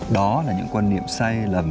đó là những quan niệm sai lầm